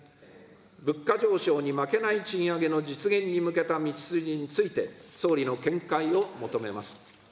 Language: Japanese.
物価上昇に負けない賃上げの実現に向けた道筋について、総理の見解を求めます。